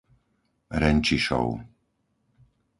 Renčišov